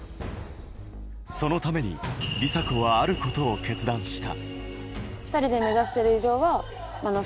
そのために梨紗子はあることを決断した。